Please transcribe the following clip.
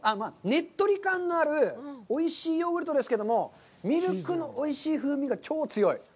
ねっとり感のあるおいしいヨーグルトですけども、ミルクのおいしい風味が超強い！